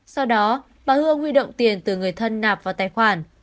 sau đó bà hương huy động tiền từ người thân nạp vào tài khoản